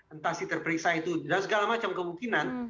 entah si terperiksa itu dan segala macam kemungkinan